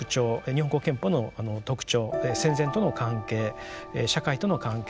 日本国憲法の特徴戦前との関係社会との関係